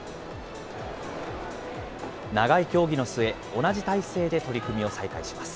長い協議の末、同じ体勢で取組を再開します。